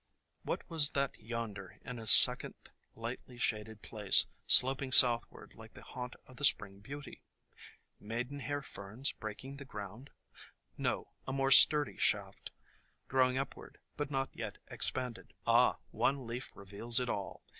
What was that yonder, in a second lightly shaded place, sloping southward like the haunt of the Spring Beauty? Maidenhair Ferns breaking the ground ? No; a more sturdy shaft, growing upward, but not yet expanded. Ah, one leaf reveals it all!